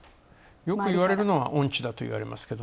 よく言われるのは音痴だといわれますけど。